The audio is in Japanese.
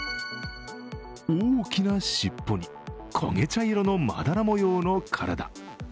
大きな尻尾に、こげ茶色のまだら模様の体。